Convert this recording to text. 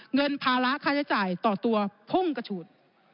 เงินภาระค่าใช้จ่ายต่อตัวพุ่งกระฉูด